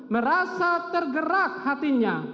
merasa tergerak hatinya